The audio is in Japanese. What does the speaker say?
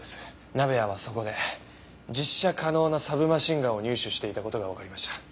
鍋谷はそこで実射可能なサブマシンガンを入手していた事がわかりました。